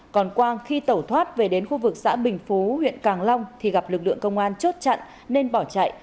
còn quang khi tẩu thoát về đến khu vực xã bình phú huyện càng long thì gặp lực lượng công an chốt chặn nên bỏ chạy